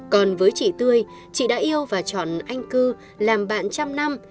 còn với chị tươi chị đã yêu và chọn anh cư làm bạn trăm năm